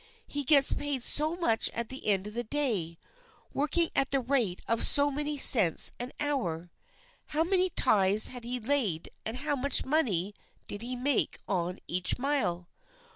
He gets paid so much at the end of the day, working at the rate of so many cents an hour. How many ties had he laid and how much money did he make on each mile?